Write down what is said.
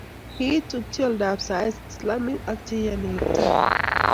kikituchi oldab saetab islamik ak che iyoni Kiptayat